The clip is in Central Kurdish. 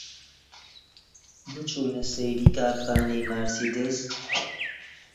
نەچوونە سەیری کارخانەی مارسیدس؟